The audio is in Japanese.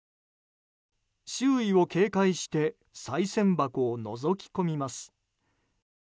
周囲を警戒してさい銭箱をのぞき込みます。